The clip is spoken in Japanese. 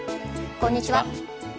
こんにちは。